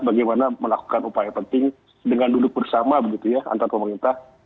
bagaimana melakukan upaya penting dengan duduk bersama antara pemerintah